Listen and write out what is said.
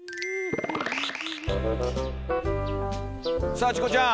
さあチコちゃん。